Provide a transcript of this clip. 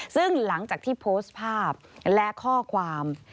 ซึ่งหลังจากที่โพสต์ภาพและข้อความ